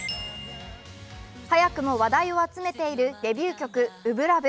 早くも話題を集めているデビュー曲、「初心ＬＯＶＥ」